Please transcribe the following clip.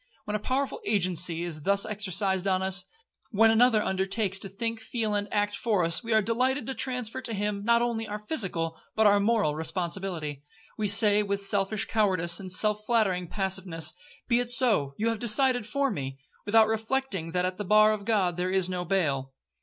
When a powerful agency is thus exercised on us,—when another undertakes to think, feel, and act for us, we are delighted to transfer to him, not only our physical, but our moral responsibility. We say, with selfish cowardice, and self flattering passiveness, 'Be it so—you have decided for me,'—without reflecting that at the bar of God there is no bail.